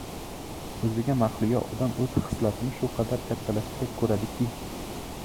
O‘ziga mahliyo odam o‘z xislatini shu qadar kattalashtirib ko‘radiki